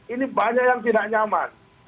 ini banyak yang tidak nyaman